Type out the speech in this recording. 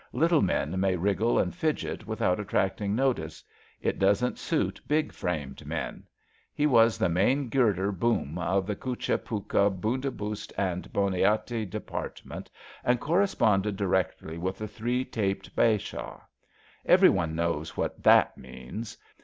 Lit tle men may wriggle and fidget without attracting notice. It doesn't suit big framed men. He was the Main Girder Boom of the Kutcha, Pukka, Bundobust and Benaoti Department and corre^ sponded direct with the Three Taped Bashaw. Every one knows what that means.